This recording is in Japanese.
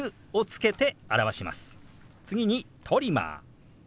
次に「トリマー」。